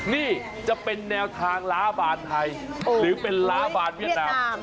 นี่จะเป็นแนวทางล้าบานไทยหรือเป็นล้าบานเวียดนาม